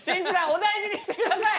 お大事にしてください！